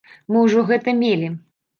Мы ўжо гэта мелі.